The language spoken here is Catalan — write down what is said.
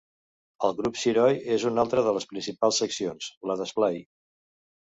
El grup Xiroi és una altra de les principals seccions, la d'esplai.